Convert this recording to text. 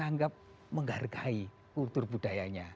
karena menghargai kultur budayanya